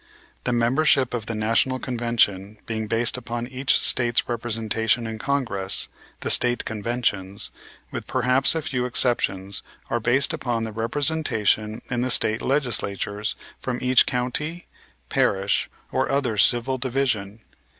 The membership of the National Convention being based upon each State's representation in Congress, the State Conventions, with perhaps a few exceptions, are based upon the representation in the State Legislatures from each county, parish, or other civil division.